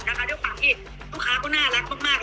ด้วยความที่ลูกค้าก็น่ารักมาก